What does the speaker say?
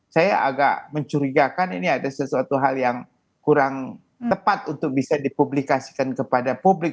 saya agak mencurigakan ini ada sesuatu hal yang kurang tepat untuk bisa dipublikasikan kepada publik